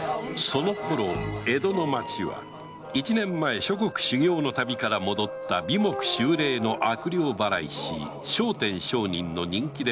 そのころ江戸の町は一年前諸国修行の旅から戻った眉目秀麗の悪霊祓い師聖天上人の人気でわき返っていた